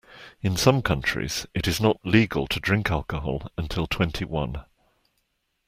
In some countries it is not legal to drink alcohol until twenty-one